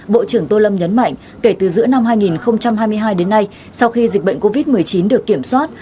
bộ trưởng tô lâm nhấn mạnh kể từ giữa năm hai nghìn hai mươi hai đến nay sau khi dịch bệnh covid một mươi chín được kiểm soát